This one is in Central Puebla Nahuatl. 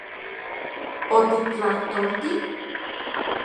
¿Otiktlajtolti...?